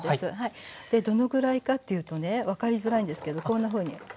どのぐらいかっていうとね分かりづらいんですけどこんなふうに分かります？